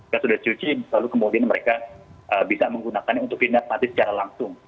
kalau sudah cuci lalu kemudian mereka bisa menggunakannya untuk dinamati secara langsung